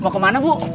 mau kemana bu